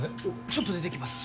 ちょっと出てきます。